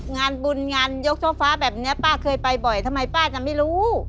งานบุญงานยกช่อฟ้าแบบนี้ป้าเคยไปบ่อยทำไมป้าจะไม่รู้